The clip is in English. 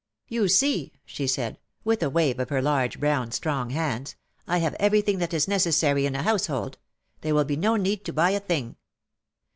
"You see," she said, with a wave of her large, brown strong hands, "I have everything that is necessary in a household. There will be no need to buy a thing."